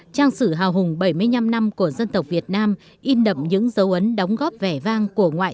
trang sử hào hùng bảy mươi năm năm của dân tộc việt nam in đậm những dấu ấn đóng góp vẻ vang của ngoại